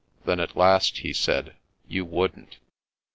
Then at last he said, " You wouldn't."